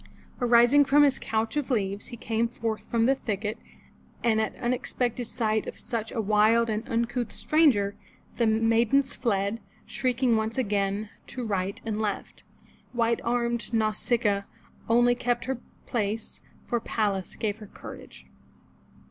Arising from his couch of leaves, he came forth from the thicket, and at unexpected sight of such a wild and uncouth stranger, the maidens fled, shrieking once again, to right and left. White armed Nau sic'a a, only, kept her place, for Pallas gave her courage.